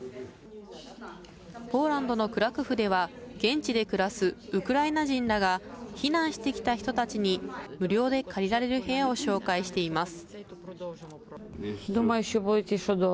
ポーランドのクラクフでは、現地で暮らすウクライナ人らが、避難してきた人たちに無料で借りられる部屋を紹介しています。